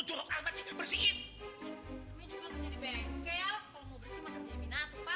kalau mau bersih mau kerja minat